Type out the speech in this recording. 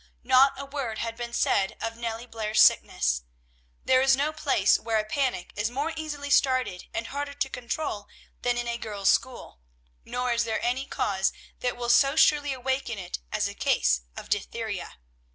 Not a word had been said of Nellie Blair's sickness. There is no place where a panic is more easily started and harder to control than in a girls' school; nor is there any cause that will so surely awaken it as a case of diphtheria.